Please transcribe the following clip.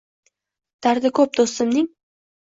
Dardi ko’p do’stimning